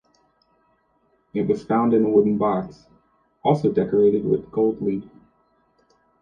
It was found in a wooden box, also decorated with gold leaf.